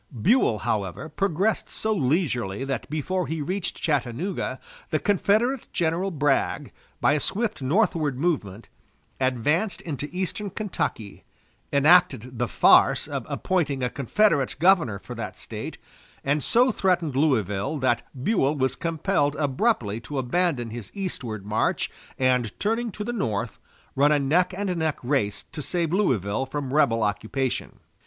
Buell, however, progressed so leisurely that before he reached Chattanooga the Confederate General Bragg, by a swift northward movement, advanced into eastern Kentucky, enacted the farce of appointing a Confederate governor for that State, and so threatened Louisville that Buell was compelled abruptly to abandon his eastward march and, turning to the north, run a neck and neck race to save Louisville from rebel occupation.